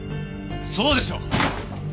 そうでしょう！？